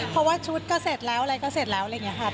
เพราะว่าชุดก็เสร็จแล้วอะไรก็เสร็จแล้วอะไรอย่างนี้ค่ะ